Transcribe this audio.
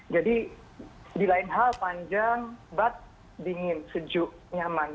jadi di lain hal panjang but dingin sejuk nyaman